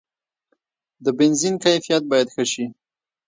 د بنزین کیفیت باید ښه شي.